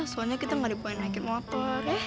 soalnya kita nggak boleh naikin motor